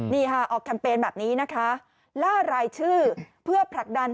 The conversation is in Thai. นี่ค่ะออกแคมเปญแบบนี้นะคะล่ารายชื่อเพื่อผลักดัน